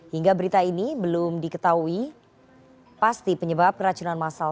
hingga berita ini belum diketahui pasti penyebab keracunan masal